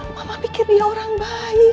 mama pikir dia orang baik